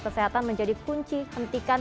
kesehatan menjadi kunci hentikan